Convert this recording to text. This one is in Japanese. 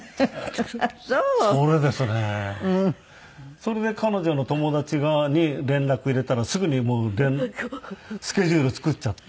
それで彼女の友達に連絡入れたらすぐにもうスケジュール作っちゃって。